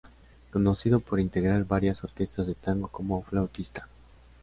Conocido por integrar varias orquestas de tango como flautista.